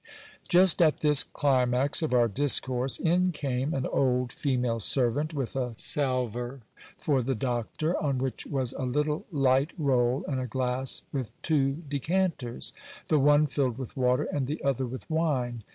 Just at this climax of our discourse, in came an old female servant, with a salver for the doctor, on which was a little light roll and a glass with two decanters, the one filled with water and the other with wine.